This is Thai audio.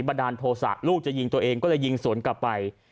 ดาลโทษะลูกจะยิงตัวเองก็เลยยิงสวนกลับไป